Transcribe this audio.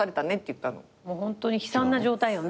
ホントに悲惨な状態よね。